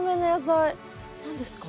何ですか？